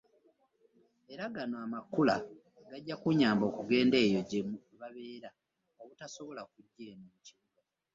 Era gano amakula gajja kunyamba okugenda eyo gye babeera abatasobola kujja eno mu bibuga.